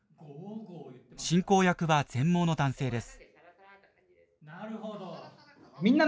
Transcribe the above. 進行役は全盲の男性です。